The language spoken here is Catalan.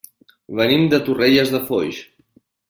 Venim de Torrelles de Foix.